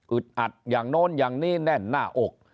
อัดอย่างโน้นอย่างนี้แน่นหน้าอก